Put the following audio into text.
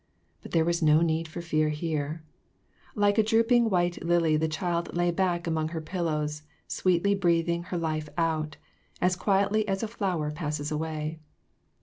But there was no need for fear here. Like a drooping white lily the child lay back among her pillows sweetly breathing her life out, as quietly as a flower passes away.